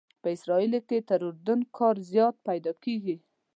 په اسرائیلو کې تر اردن کار زیات پیدا کېږي.